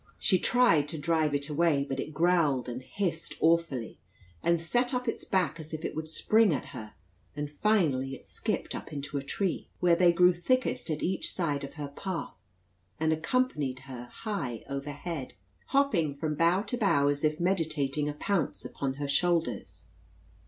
She tried to drive it away; but it growled and hissed awfully, and set up its back as if it would spring at her, and finally it skipped up into a tree, where they grew thickest at each side of her path, and accompanied her, high over head, hopping from bough to bough as if meditating a pounce upon her shoulders.